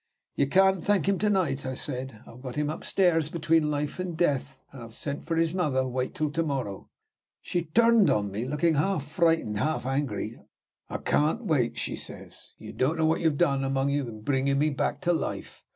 'You can't thank him tonight,' I said; 'I've got him upstairs between life and death, and I've sent for his mother: wait till to morrow.' She turned on me, looking half frightened, half angry. 'I can't wait,' she says; 'you don't know what you have done among you in bringing me back to life.